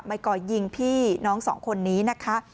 ก่อยิงพี่น้องสองคนนี้นะคะ